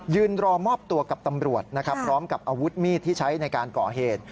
รอมอบตัวกับตำรวจนะครับพร้อมกับอาวุธมีดที่ใช้ในการก่อเหตุ